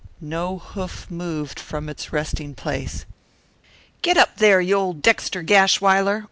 No hoof moved from its resting place. "Giddap, there, you old Dexter Gashwiler!"